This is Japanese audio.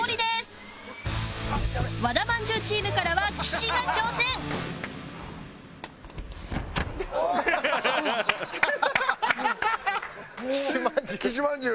和田まんじゅうチームからは岸が挑戦岸まんじゅう。